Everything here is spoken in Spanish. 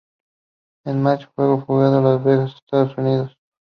El match fue jugado en Las Vegas, Estados Unidos.